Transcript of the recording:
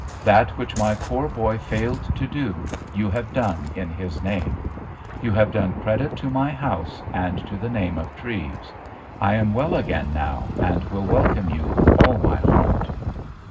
That which my poor boy failed to do, you have done in his name. You have done credit to my house and to the name of Treves. I am well again now, and shall welcome you with all my heart.